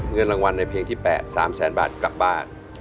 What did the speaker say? เงินรางวัลในเพลงที่๘๓แสนบาทกลับบ้าน